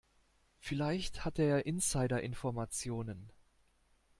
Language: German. Vielleicht hatte er Insiderinformationen.